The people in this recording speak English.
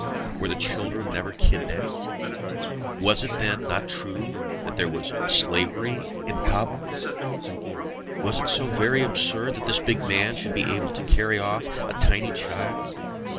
Were children never kidnapped? Was it, then, not true that there was slavery in Cabul? Was it so very absurd that this big man should be able to carry off a tiny child?